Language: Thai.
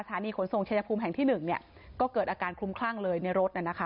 สถานีขนส่งเชจภูมิแห่งที่หนึ่งเนี้ยก็เกิดอาการคลุมคลั่งเลยในรถน่ะนะคะ